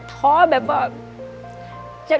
ท้อแบบว่า